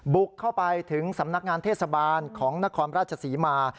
บุกเข้าไปถึงสำนักงานเทศบาลของนครราชศรีมา